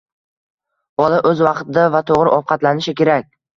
bola o‘z vaqtida va to‘g‘ri ovqatlanishi kerak.